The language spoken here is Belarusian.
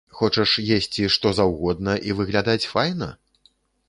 Хочаш есці, што заўгодна і выглядаць файна?